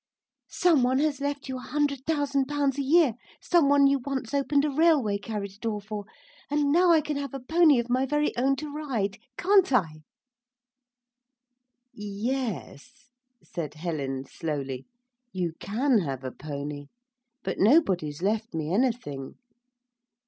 Some one has left you a hundred thousand pounds a year some one you once opened a railway carriage door for and now I can have a pony of my very own to ride. Can't I?' 'Yes,' said Helen slowly, 'you can have a pony; but nobody's left me anything.